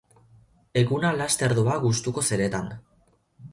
Eguna laster doa gustuko zeretan.